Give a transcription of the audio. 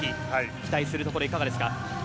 期待するところいかがですか？